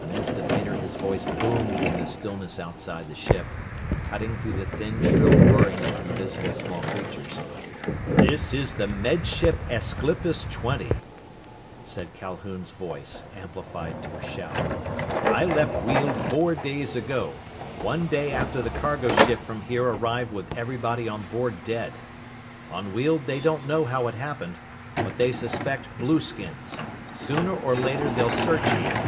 An instant later his voice boomed in the stillness outside the ship, cutting through the thin shrill whirring of invisible small creatures. "This is the Med Ship Aesclipus Twenty," said Calhoun's voice, amplified to a shout. "I left Weald four days ago, one day after the cargo ship from here arrived with everybody on board dead. On Weald they don't know how it happened, but they suspect blueskins. Sooner or later they'll search here.